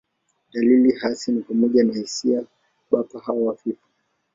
Dalili hasi ni pamoja na hisia bapa au hafifu.